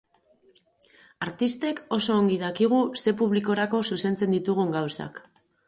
Artistek oso ongi dakigu ze publikorako zuzentzen ditugun gauzak.